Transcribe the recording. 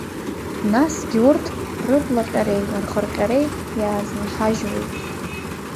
Насгьы урҭ, рыблаҟьареи рхырҟьареи иазынҳажьуеит.